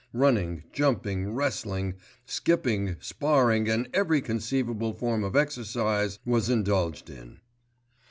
Running, jumping, wrestling, skipping, sparring and every conceivable form of exercise was indulged in.